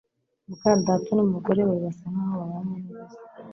muka data n'umugore we basa nkaho babanye neza